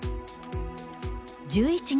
１１月。